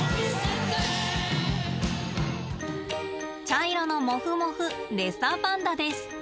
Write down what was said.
茶色のモフモフレッサーパンダです。